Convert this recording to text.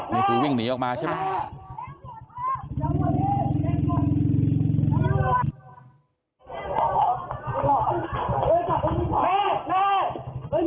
นี่คือวิ่งหนีออกมาใช่ไหม